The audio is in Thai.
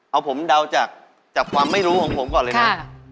เอาผมเดาจากความไม่รู้ของผมก่อนเลยนะ